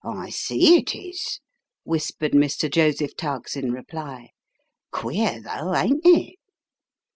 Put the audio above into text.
" I see it is," whispered Mr. Joseph Tuggs in reply. " Queer, though ain't it?"